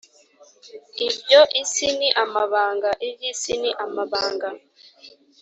Ibyo isi ni amabanga. [Iby’isi ni amabanga.]